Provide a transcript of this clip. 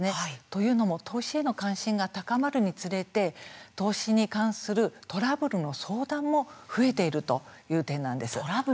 というのも投資への関心が高まるにつれて投資に関するトラブルの相談も増えているという点なんです。